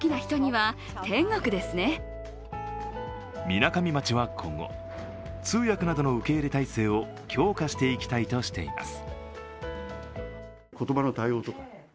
みなかみ町は今後通訳などの受け入れ態勢を強化していきたいとしています。